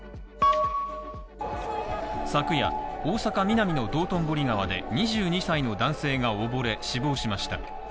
昨夜、大阪ミナミの道頓堀川で、２２歳の男性が溺れ、死亡しました。